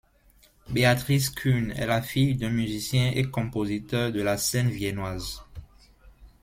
Beatrix Kühn est la fille d'un musicien et compositeur de la scène viennoise.